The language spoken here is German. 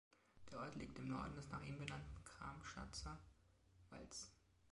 Der Ort liegt im Norden des nach ihm benannten Gramschatzer Walds.